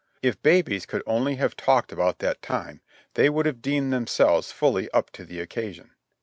If babies could only have talked about that time, they would have deemed themselves fully up to the occasion.